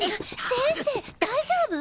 先生大丈夫？